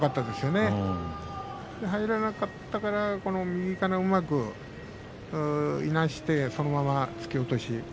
もろ差しが入らなかったから右からうまくいなしてそのまま突き落とし。